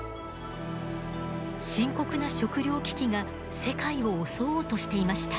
深刻な食糧危機が世界を襲おうとしていました。